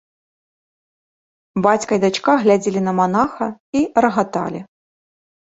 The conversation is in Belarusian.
Бацька і дачка глядзелі на манаха і рагаталі.